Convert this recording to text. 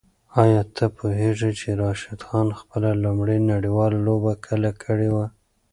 آیا ته پوهېږې چې راشد خان خپله لومړۍ نړیواله لوبه کله کړې وه؟